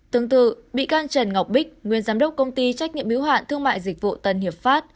tương tự bị can trần ngọc bích nguyên giám đốc công ty trách nhiệm hiếu hạn thương mại dịch vụ tân hiệp pháp